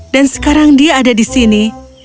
dan sekarang dia ada di sini